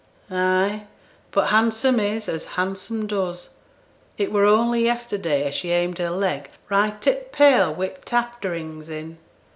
'Ay; but handsome is as handsome does. It were only yesterday as she aimed her leg right at t' pail wi' t' afterings in.